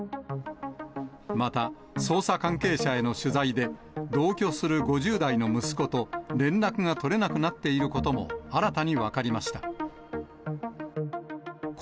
また、捜査関係者への取材で、同居する５０代の息子と連絡が取れなくなっていることも新たに分かりました。